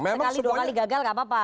sekali dua kali gagal gak apa apa